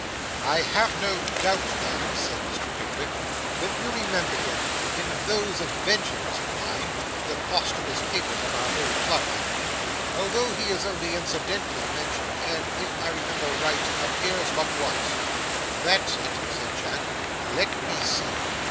'I have no doubt, then,' returned Mr. Pickwick, 'that you remember him in those adventures of mine (the Posthumous Papers of our old club, I mean), although he is only incidentally mentioned; and, if I remember right, appears but once.' 'That's it,' said Jack. 'Let me see.